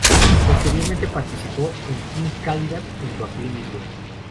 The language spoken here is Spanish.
Posteriormente participó en "Pink Cadillac" junto a Clint Eastwood.